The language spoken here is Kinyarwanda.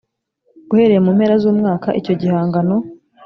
uhereye mu mpera z umwaka icyo gihangano